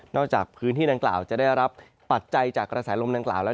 นอกจากพื้นที่ตางต่าวจะได้รับปัจจัยจากกระแสลมต่าวแล้ว